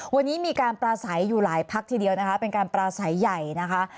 วันนี้มีการปราศัยอยู่หลายพักทีเดียวนะคะเป็นการปราศัยใหญ่นะคะ